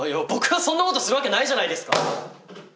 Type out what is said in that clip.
僕がそんなことするわけないじゃないですか。